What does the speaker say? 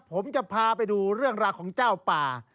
ผมจะพาไปดูเรื่องราวของเจ้าป่า